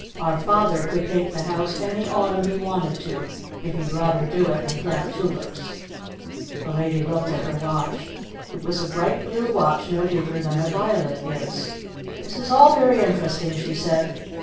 Our Father could paint the house any Autumn he wanted to if he'd rather do it than plant Tulips." The Lady looked at her watch. It was a bright blue watch no bigger than a violet is. "This is all very interesting," she said.